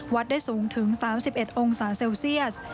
ได้สูงถึง๓๑องศาเซลเซียส